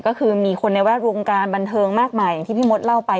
ก็คือมีคนในแวดวงการบันเทิงมากมายอย่างที่พี่มดเล่าไป